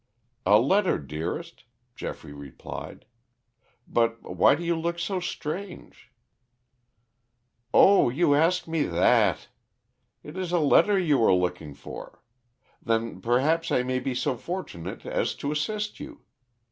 "A letter, dearest," Geoffrey replied. "But why do you look so strange " "Oh, you ask me that! It is a letter you are looking for. Then perhaps I may be so fortunate as to assist you.